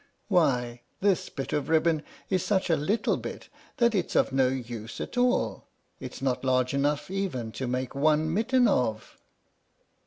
Why, this bit of ribbon is such a little bit that it's of no use at all. It's not large enough even to make one mitten of."